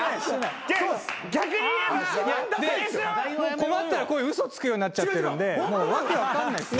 困ったらこういう嘘つくようになっちゃってるんでもう訳分かんないっすよ。